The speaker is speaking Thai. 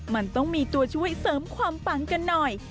มันต้องมีตัวช่วยเสริมความปังกันหน่อย